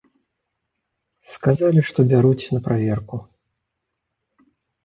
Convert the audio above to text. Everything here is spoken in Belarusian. Сказалі, што бяруць на праверку.